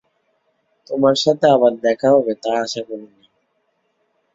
তোমার সাথে আবার দেখা হবে তা আশা করিনি।